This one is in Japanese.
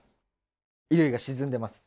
衣類が沈んでます。